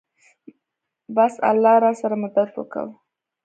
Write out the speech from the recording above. بس الله راسره مدد وکو.